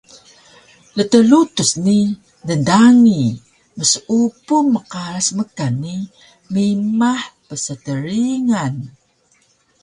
ltlutuc ni dngdangi mseupu mqaras mkan ni mimah pnstryian